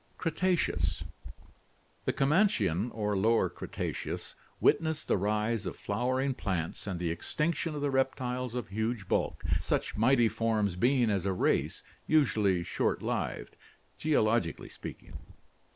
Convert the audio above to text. Cretaceous. — The Comanchian or Lower Cretaceous witnessed the rise of flowering plants and the extinction of the reptiles of huge bulk, such mighty forms being as a race usually short lived, geologically speaking.